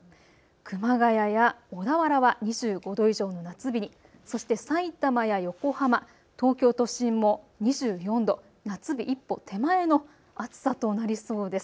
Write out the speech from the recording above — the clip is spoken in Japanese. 熊谷や小田原は２５度以上の夏日に、そしてさいたまや横浜、東京都心も２４度で夏日一歩手前の暑さとなりそうです。